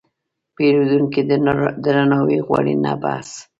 پیرودونکی درناوی غواړي، نه بحث.